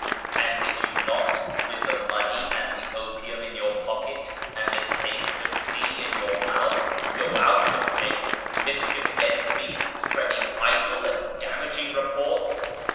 And did you not, with the money and the opium in your pocket, and the taste of tlie tea in your mouth, go out and make mischief against me, spreading idle and damaging reports